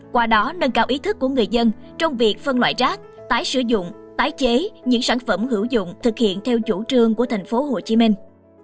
qua đó nâng cao ý thức của người dân trong việc phân loại rác tái sử dụng tái chế những sản phẩm hữu dụng thực hiện theo chủ trương của thành phố hồ chí minh